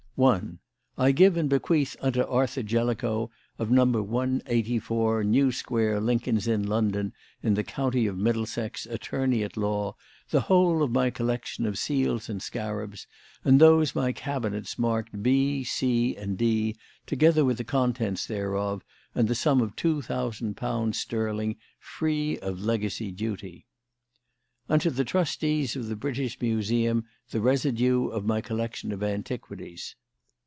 "1. I give and bequeath unto Arthur Jellicoe of number 184 New Square Lincoln's Inn London in the county of Middlesex Attorney at law the whole of my collection of seals and scarabs and those my cabinets marked B, C, and D together with the contents thereof and the sum of two thousand pounds sterling free of legacy duty. "Unto the Trustees of the British Museum the residue of my collection of antiquities.